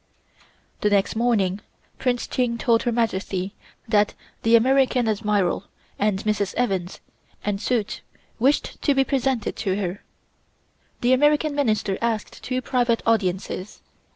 The next morning Prince Ching told Her Majesty that the American Admiral, and Mrs. Evans, and suite wished to be presented to her. The American Minister asked two private audiences.